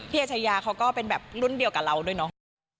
เอชยาเขาก็เป็นแบบรุ่นเดียวกับเราด้วยเนาะ